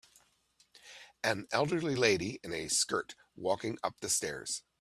An elderly lady in a skirt walking up the stairs